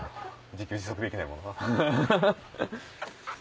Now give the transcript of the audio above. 自給自足できないものはハハハ！